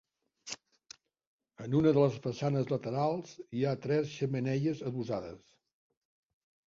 En una de les façanes laterals hi ha tres xemeneies adossades.